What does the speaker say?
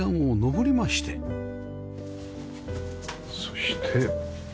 そして。